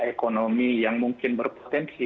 ekonomi yang mungkin berpotensi